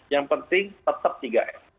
yang penting tetap tiga m